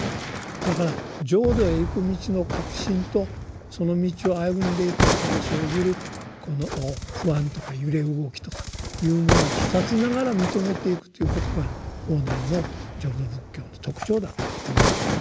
だから浄土へ行く道の確信とその道を歩んでいく中で生じる不安とか揺れ動きとかというものをふたつながら認めていくということが法然の浄土仏教の特徴だと思うんですね。